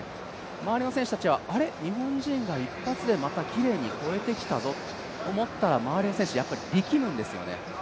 周りの選手たちは、あれ、日本人が一発でまたきれいに越えてきたぞと思ったら周りの選手、また力むんですよね。